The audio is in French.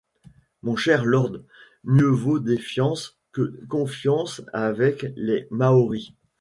Mon cher lord, mieux vaut défiance que confiance avec les Maoris.